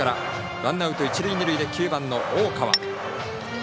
ワンアウト、一塁二塁で９番の大川。